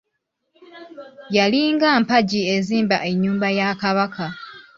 Yali nga mpagi ezimba ennyumba ya Kabaka.